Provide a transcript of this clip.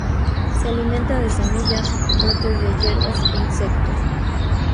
Se alimenta de semillas, brotes de hierbas e insectos.